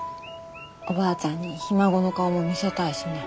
おばあちゃんにひ孫の顔も見せたいしね。